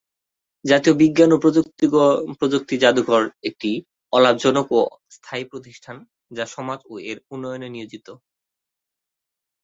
জাতীয় বিজ্ঞান ও প্রযুক্তি জাদুঘরটি একটি অলাভজনক ও স্থায়ী প্রতিষ্ঠান, যা সমাজ ও এর উন্নয়নে নিয়োজিত।